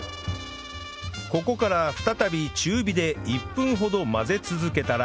ここから再び中火で１分ほど混ぜ続けたら